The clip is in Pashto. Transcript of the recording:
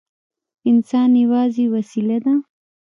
انسان یوازې وسیله ده.